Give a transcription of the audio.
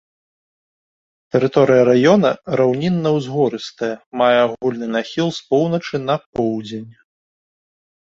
Тэрыторыя раёна раўнінна-узгорыстая, мае агульны нахіл з поўначы на поўдзень.